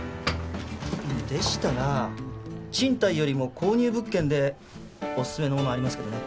でしたら賃貸よりも購入物件でお薦めのものありますけどね。